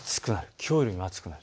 きょうよりも暑くなる。